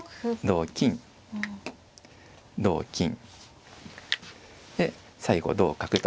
同金同金で最後同角と。